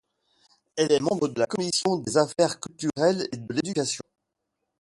Elle est membre de la Commission des Affaires culturelles et de l'Éducation.